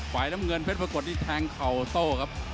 ฝ่ายน้ำเงินเพชรประกฎนี่แทงเข่าโซ่ครับ